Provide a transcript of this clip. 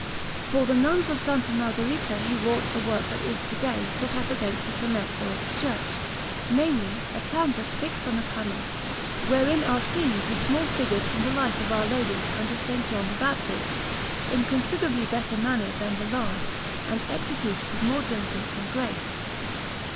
For the Nuns of S. Margherita he wrought a work that is to day set up against the tramezzo of the church namely, a canvas fixed on a panel, wherein are scenes with small figures from the life of Our Lady and of S. John the Baptist, in considerably better manner than the large, and executed with more diligence and grace.